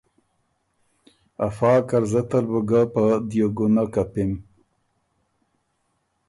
افا قرضۀ تل بُو ګۀ په دیوګُنه کپِم“